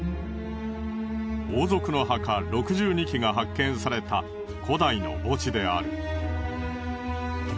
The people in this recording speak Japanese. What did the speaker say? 王族の墓６２基が発見された古代の墓地である。